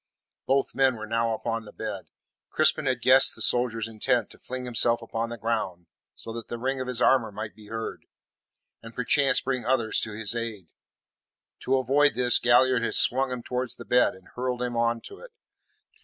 Both men were now upon the bed. Crispin had guessed the soldier's intent to fling himself upon the ground so that the ring of his armour might be heard, and perchance bring others to his aid. To avoid this, Galliard had swung him towards the bed, and hurled him on to it.